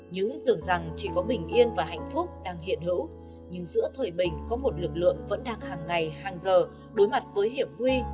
những tưởng rằng chỉ có bình yên và hạnh phúc đang hiện hữu nhưng giữa thời bình có một lực lượng vẫn đang hàng ngày hàng giờ đối mặt với hiểm nguy